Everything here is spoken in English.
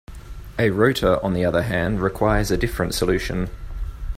A rotor, on the other hand, requires a different solution.